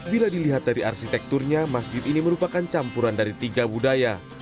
bila dilihat dari arsitekturnya masjid ini merupakan campuran dari tiga budaya